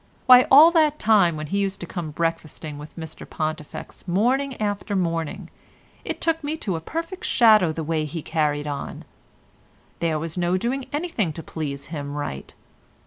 Why, all that time when he used to come breakfasting with Mr Pontifex morning after morning, it took me to a perfect shadow the way he carried on. There was no doing anything to please him right.